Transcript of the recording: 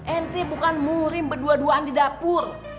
enti bukan murim berdua duaan di dapur